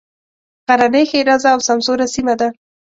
غرنۍ ښېرازه او سمسوره سیمه ده.